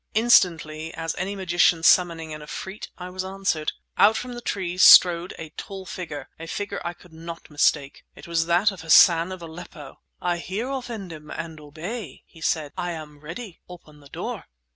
Instantly as any magician summoning an efreet I was answered. Out from the trees strode a tall figure, a figure I could not mistake. It was that of Hassan of Aleppo! "I hear, effendim, and obey," he said. "I am ready. Open the door!"